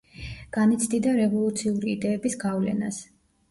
განიცდიდა რევოლუციური იდეების გავლენას.